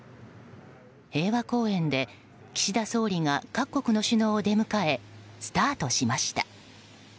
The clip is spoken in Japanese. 平和公園で岸田総理が各国の首脳を出迎えスタートしました。